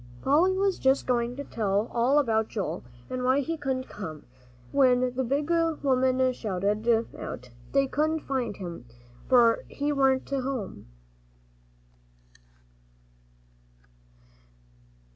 Polly was just going to tell all about Joel, and why he couldn't come, when the big woman shouted out, "They couldn't find him, for he warn't to home."